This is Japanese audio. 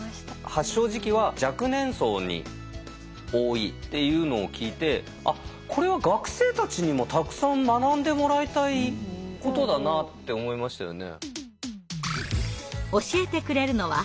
発症時期は若年層に多いっていうのを聞いてあっこれは学生たちにもたくさん学んでもらいたいことだなって思いましたよね。